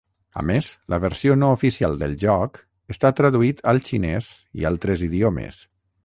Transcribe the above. A més, la versió no oficial del joc està traduït al xinès i altres idiomes.